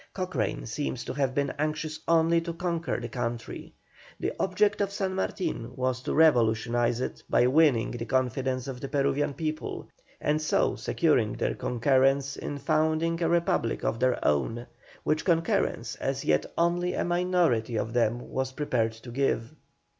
Cochrane seems to have been anxious only to conquer the country; the object of San Martin was to revolutionize it by winning the confidence of the Peruvian people, and so securing their concurrence in founding a republic of their own, which concurrence as yet only a minority of them were prepared to give.